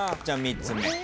じゃあ３つ目。